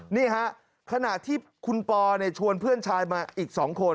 นี่ฮะขณะที่คุณปอชวนเพื่อนชายมาอีก๒คน